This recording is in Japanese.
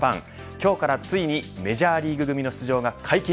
今日からついにメジャーリーグ組の出場が解禁。